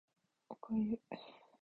お粥